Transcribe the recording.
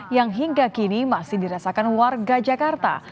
yang hingga kini masih dirasakan warga jakarta